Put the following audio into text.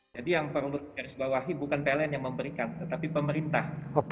jadi yang perlu dikarisbawahi bukan pln yang memberikan tetapi pemerintah